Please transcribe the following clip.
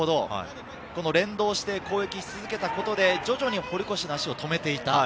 連動して攻撃し続けたことで、徐々に堀越の足を止めていった。